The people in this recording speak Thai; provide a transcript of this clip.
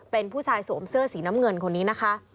เป็นผู้ชายสวมเสื้อสีน้ำเงินคนนี้นะคะ